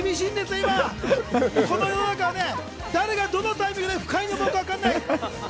今、この世の中、誰がどのタイミングで不快に思うかわからない。